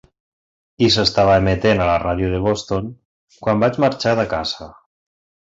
I s'estava emetent a la ràdio de Boston quan vaig marxar de casa.